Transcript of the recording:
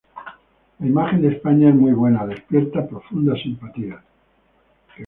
La imagen de España es muy buena, despierta profundas simpatías.